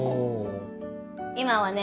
今はね